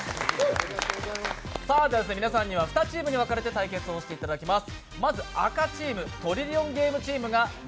では皆さんには２チームに分かれて対決していただきます。